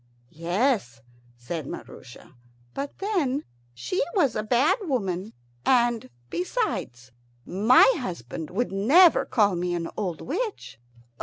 "Yes," said Maroosia, "but then she was a bad woman; and besides, my husband would never call me an old witch."